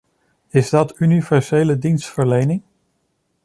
Is dat universele dienstverlening?